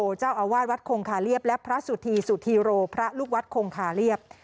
เจ้าอาวาสวัดคงคาเลียบและพระสุธีสุธีโรพระลูกวัดคงคาเลียบ